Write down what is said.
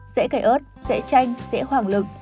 dễ cải ớt dễ chanh dễ hoàng lực